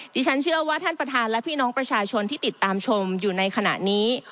ดิฉันเชื่อว่าท่านประธานและพี่น้องประชาชนที่ติดตามชมอยู่ในขณะนี้